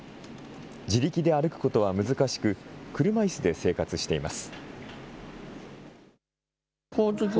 自力で歩くことは難しく、車いすで生活しています。